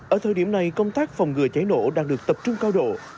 ở thời điểm này công tác phòng ngừa cháy nổ đang được tập trung cao độ